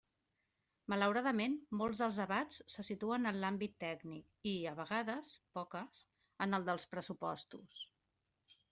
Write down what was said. Malauradament, molts dels debats se situen en l'àmbit tècnic i, a vegades, poques, en el dels pressupostos.